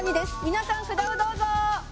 皆さん札をどうぞ！」